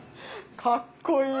かっこいい！